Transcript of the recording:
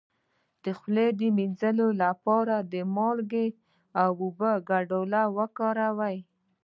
د خولې د مینځلو لپاره د مالګې او اوبو ګډول وکاروئ